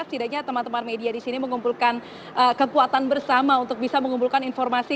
setidaknya teman teman media di sini mengumpulkan kekuatan bersama untuk bisa mengumpulkan informasi